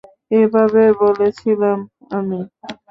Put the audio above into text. এভাবে বলেছিলাম আমি!